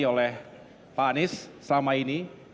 oleh pak anies selama ini